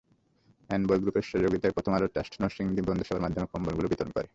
এনবয় গ্রুপের সহযোগিতায় প্রথম আলো ট্রাস্ট নরসিংদী বন্ধুসভার মাধ্যমে কম্বলগুলো বিতরণ করে।